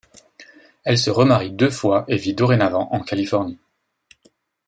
Elle se remarie deux fois et vit dorénavant en Californie.